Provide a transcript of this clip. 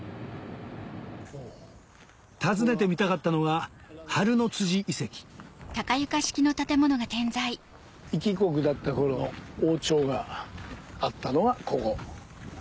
訪ねてみたかったのが一支国だった頃の王朝があったのがここ。